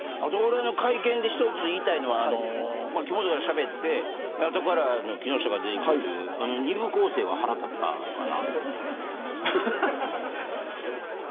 会見で一つ言いたいのは木本がしゃべってあとから木下が出てくるというあの２部構成は腹が立ったかな。